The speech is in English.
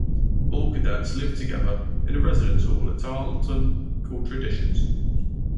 All cadets live together in a residence hall at Tarleton called Traditions.